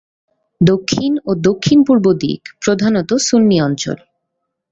দক্ষিণ ও দক্ষিণ-পূর্ব দিক প্রধানত সুন্নি অঞ্চল।